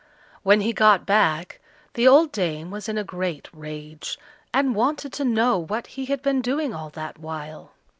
When he got back, the old dame was in a great rage, and wanted to know what he had been doing all that while.